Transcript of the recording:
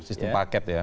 sistem paket ya